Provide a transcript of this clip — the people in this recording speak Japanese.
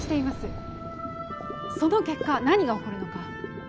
その結果何が起こるのか。